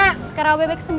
sekarang obb ke sembilan